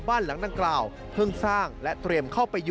บ้านหลังดังกล่าวเพิ่งสร้างและเตรียมเข้าไปอยู่